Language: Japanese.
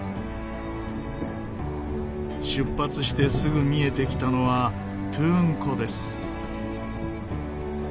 出発してすぐ見えてきたのはトゥーン湖です。